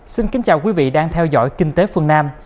xin kính chào quý vị đang theo dõi kinh tế phương nam